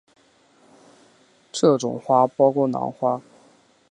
这种花包括兰花。